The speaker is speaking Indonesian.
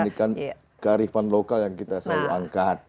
dan ini kan kearifan lokal yang kita selalu angkat